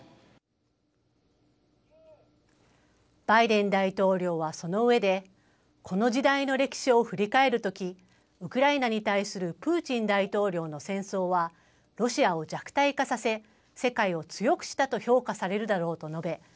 バイデン大統領はそのうえでこの時代の歴史を振り返るときウクライナに対するプーチン大統領の戦争はロシアを弱体化させ、世界を強くしたと評価されるだろうと述べ